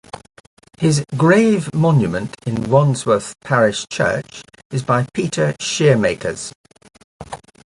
His grave monument in Wandsworth Parish Church is by Peter Scheemakers.